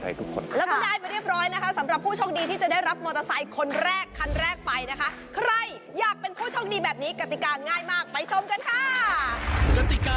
ตอนนี้กติการง่ายมากไปชมกันค่ะ